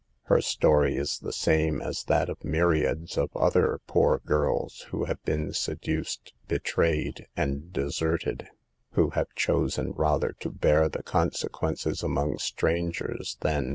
Her story is the same as that of myriads of other poor girls who have been seduced, be trayed and deserted ; who have chosen rather to bear the consequences among strangers than 112 •AVE THE GIRLS.